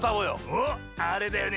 おっあれだよね？